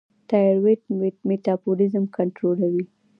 تایرویډ میټابولیزم کنټرولوي.